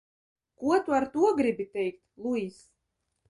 Ko tu ar to gribi teikt, Luis?